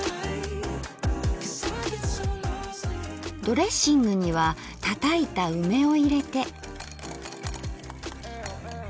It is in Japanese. ドレッシングにはたたいた梅を入れて。